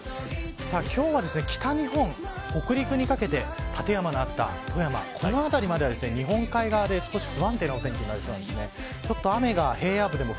今日は北日本北陸にかけて立山の富山この辺りまでは日本海側で少し不安定なお天気になりそうです。